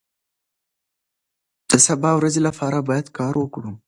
د سبا ورځې لپاره باید کار وکړو.